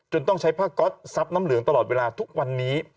ต้องใช้ผ้าก๊อตซับน้ำเหลืองตลอดเวลาทุกวันนี้